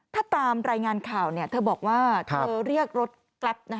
ถ้าตามรายงานข่าวเธอบอกว่าเธอเรียกรถแกรป